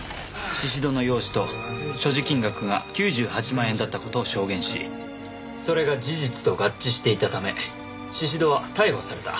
宍戸の容姿と所持金額が９８万円だった事を証言しそれが事実と合致していたため宍戸は逮捕された。